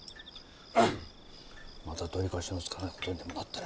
また取り返しのつかないことにでもなったら。